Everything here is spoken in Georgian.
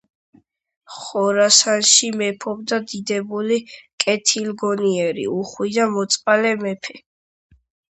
ხორასანში მეფობდა დიდებული, კეთილგონიერი, უხვი და მოწყალე მეფ